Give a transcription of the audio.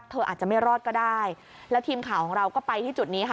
อาจจะไม่รอดก็ได้แล้วทีมข่าวของเราก็ไปที่จุดนี้ค่ะ